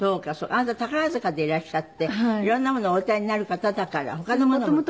あなた宝塚でいらっしゃって色んなものをお歌いになる方だから他のものも歌いたい。